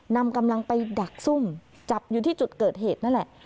นำกำลังไปดักซุ่มจับอยู่ที่จุดเกิดเหตุนั่นแหละ